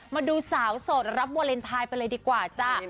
มาดูสาวโสดรับวาเลนไทยไปเลยดีกว่าจ้ะ